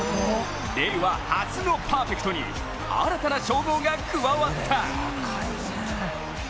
令和初のパーフェクトに新たな称号が加わった。